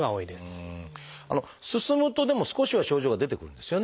進むとでも少しは症状が出てくるんですよね。